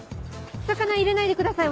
魚入れないでください